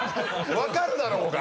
分かるだろうが！